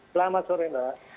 selamat sore mbak